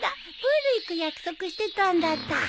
プール行く約束してたんだった。